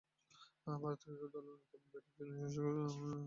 Bharat cricket দলের অন্যতম batting স্তম্ভ ছিলেন তিনি।